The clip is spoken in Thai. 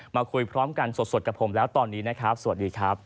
มาคุยพร้อมกันสดกับผมแล้วตอนนี้นะครับสวัสดีครับ